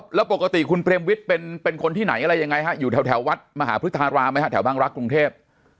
แล้วปกติคุณเปรมวิทย์เป็นคนที่ไหนอะไรยังไงฮะอยู่แถววัดมหาพฤทธารามไหมฮะแถวบางรักกรุงเทพ